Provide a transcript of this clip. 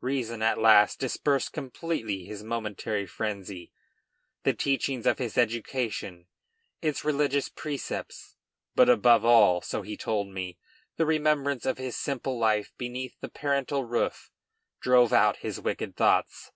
Reason at last dispersed completely his momentary frenzy. The teachings of his education, its religious precepts, but above all, so he told me, the remembrance of his simple life beneath the parental roof drove out his wicked thoughts.